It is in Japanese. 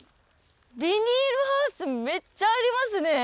ビニールハウスめっちゃありますね。